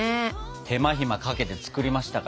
手間暇かけて作りましたから。